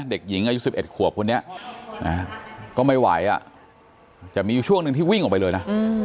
เด็กหญิงอายุ๑๑ขวบคนนี้ก็ไม่ไหวจะมีอยู่ช่วงหนึ่งที่วิ่งออกไปเลยนะ